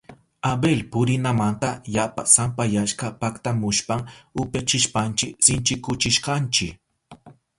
Abel purinamanta yapa sampayashka paktamushpan upyachishpanchi sinchikuchishkanchi.